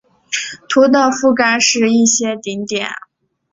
图的覆盖是一些顶点。